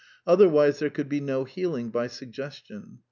Otherwise there could be no healing by suggestion.